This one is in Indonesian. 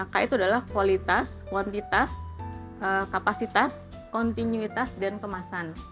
k itu adalah kualitas kuantitas kapasitas kontinuitas dan kemasan